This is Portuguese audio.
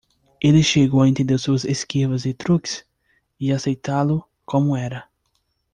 Ele chegou a entender suas esquivas e truques? e aceitá-lo como era.